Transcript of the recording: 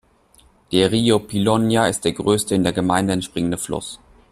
Der Rio Piloña ist der größte, in der Gemeinde entspringende Fluss.